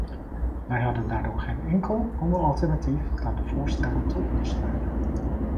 Wij hadden daardoor geen enkel ander alternatief dan de voorstellen te ondersteunen.